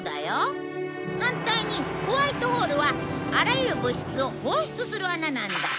反対にホワイトホールはあらゆる物質を放出する穴なんだ。